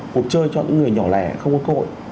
cuộc chơi cho những người nhỏ lẻ không có cơ hội